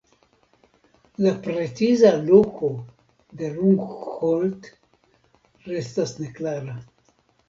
La preciza loko de Rungholt restas neklara.